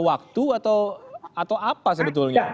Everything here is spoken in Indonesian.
waktu atau apa sih